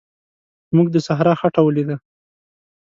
موږ د صحرا خټه ولیده.